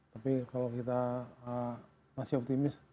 tapi kalau kita masih optimis